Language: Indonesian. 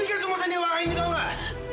ini kan semua senyawa ini tau gak